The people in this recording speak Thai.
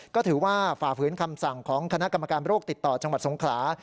ก็ถือว่าฝ่าฝืนคำสั่งของคณะกรรมการโรคติดต่อจังหวัดสงขลา